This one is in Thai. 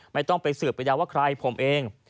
ไม่ต้องไปสืบไปยาวว่าใครผมเอง